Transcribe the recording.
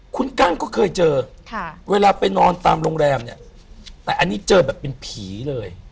คุณกั้งก็เคยเจอเวลาไปนอนตามโรงแรมเนี่ยแต่อันนี้เจอแบบเป็นผีเลย